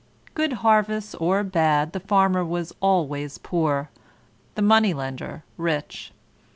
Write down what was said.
Good harvests or bad the Farmer was always poor, the Money lender rich.